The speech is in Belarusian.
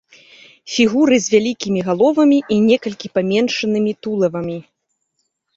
Фігуры з вялікімі галовамі і некалькі паменшанымі тулавамі.